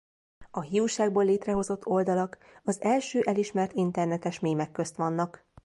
A hiúságból létrehozott oldalak az első elismert internetes mémek közt vannak.